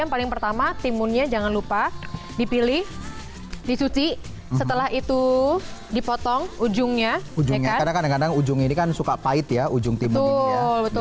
ujungnya karena kadang kadang ujung ini kan suka pahit ya ujung timun ini ya